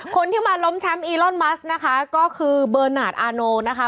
คนที่มาล้มแชมป์อีลอนมัสนะคะก็คือเบอร์นาทอาโนนะคะ